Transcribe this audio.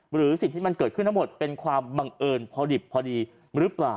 หรือสิ่งที่มันเกิดขึ้นทั้งหมดเป็นความบังเอิญพอดิบพอดีหรือเปล่า